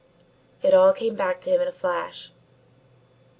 It all came back to him in a flash.